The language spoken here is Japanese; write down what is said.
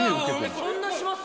そんなします？